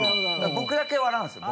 僕だけ笑うんですよ